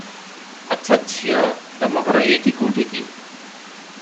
ଆଚ୍ଛା, ଝିଅ, ତମଘର ଏଇଠି କୁଠି କି?”